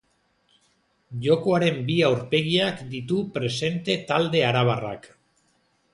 Jokoaren bi aurpegiak ditu presente talde arabarrak.